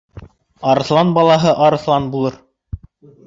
Арыҫлан балаһы арыҫлан булыр.